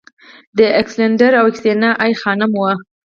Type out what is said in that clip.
د الکسندریه اوکسیانا ای خانم و